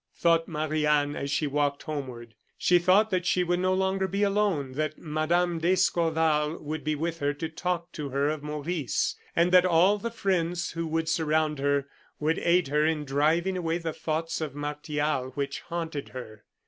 thought Marie Anne as she walked homeward. She thought that she would no longer be alone, that Mme. d'Escorval would be with her to talk to her of Maurice, and that all the friends who would surround her would aid her in driving away the thoughts of Martial, which haunted her.